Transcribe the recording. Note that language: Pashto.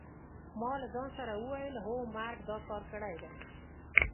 ما له ځان سره وویل: هو مرګ دا کار کړی دی.